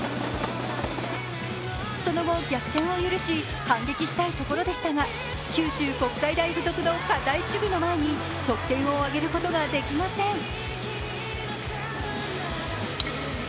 その後、逆転を許し反撃したいところでしたが九州国際大付属のかたい守備の前に得点を挙げることができません。